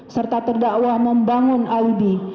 serta terdakwa membangun alibi